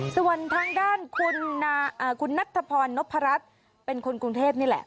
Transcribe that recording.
ส่วนทางด้านคุณนัทธพรนพรัชเป็นคนกรุงเทพนี่แหละ